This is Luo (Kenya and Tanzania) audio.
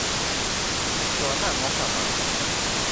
To nang'o kamano?